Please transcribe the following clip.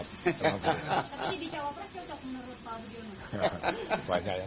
tapi di jawa presiden menurut pak budiono